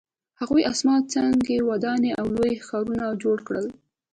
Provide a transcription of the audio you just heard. هغوی اسمان څکې ودانۍ او لوی ښارونه جوړ کړل